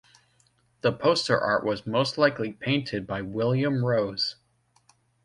The poster art was most likely painted by William Rose.